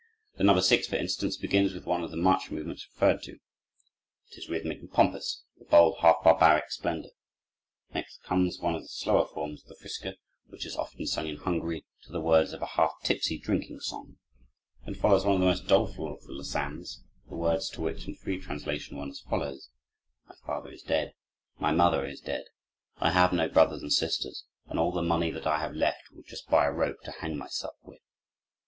The No. 6, for instance, begins with one of the march movements referred to. It is rhythmic and pompous, with a bold, half barbaric splendor. Next comes one of the slower forms of the "frischka," which is often sung in Hungary to the words of a half tipsy drinking song. Then follows one of the most doleful of the "lassans," the words to which, in free translation, run as follows: "My father is dead, my mother is dead, I have no brothers or sisters, and all the money that I have left will just buy a rope to hang myself with."